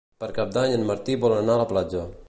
Per Cap d'Any en Martí vol anar a la platja.